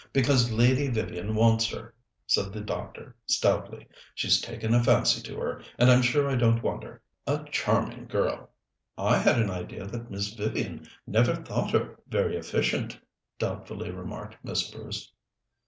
"Because Lady Vivian wants her," said the doctor stoutly. "She's taken a fancy to her, and I'm sure I don't wonder. A charming girl!" "I had an idea that Miss Vivian never thought her very efficient," doubtfully remarked Miss Bruce.